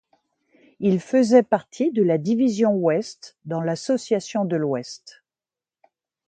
Ils faisaient partie de la division Ouest dans l'association de l'Ouest.